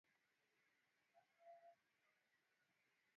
na vyuo vya elimu ya taifa Moja ya mafanikio